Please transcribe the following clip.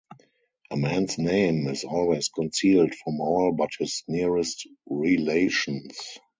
A man's name is always concealed from all but his nearest relations.